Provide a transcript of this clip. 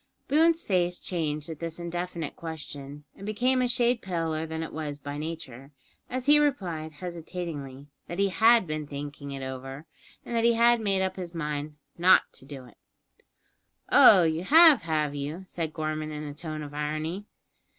Boone's face changed at this indefinite question, and became a shade paler than it was by nature, as he replied, hesitatingly, that he had been thinking over it, and that he had made up his mind not to do it. "Oh, you have, have you?" said Gorman in a tone of irony.